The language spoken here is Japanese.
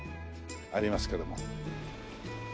ありますけども。